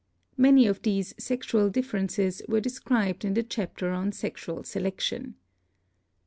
Many of these sexual differ ences were described in the chapter on Sexual Selection.